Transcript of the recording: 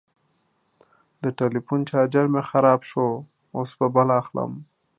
د ټلیفون چارجر مې خراب شو، اوس به بل اخلم.